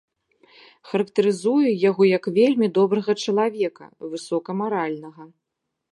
Характарызуе яго як вельмі добрага чалавека, высокамаральнага.